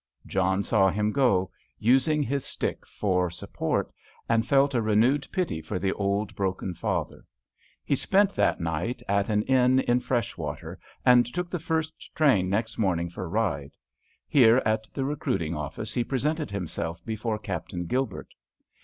John saw him go, using his stick for support, and felt a renewed pity for the old, broken father. He spent that night at an inn in Freshwater, and took the first train next morning for Ryde. Here at the recruiting office he presented himself before Captain Gilbert.